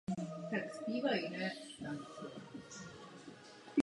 Dovolte mi ještě, abych se zmínil o sekuritizaci.